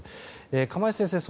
釜萢先生